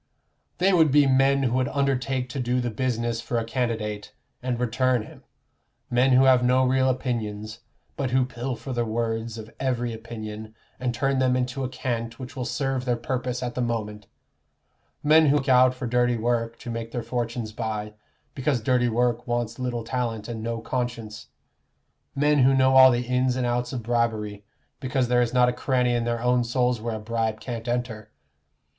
"They would be men who would undertake to do the business for a candidate, and return him: men who have no real opinions, but who pilfer the words of every opinion, and turn them into a cant which will serve their purpose at the moment; men who look out for dirty work to make their fortunes by, because dirty work wants little talent and no conscience; men who know all the ins and outs of bribery, because there is not a cranny in their own souls where a bribe can't enter.